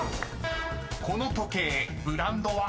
［この時計ブランドは？］